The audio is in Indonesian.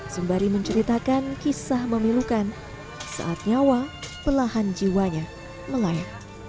sembari menceritakan kisah memilukan saat nyawa pelahan jiwanya melayak